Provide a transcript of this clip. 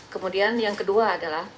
kemudian yang kedua adalah